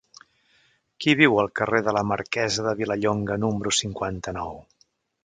Qui viu al carrer de la Marquesa de Vilallonga número cinquanta-nou?